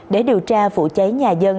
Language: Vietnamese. để điều tra vụ cháy nhà dân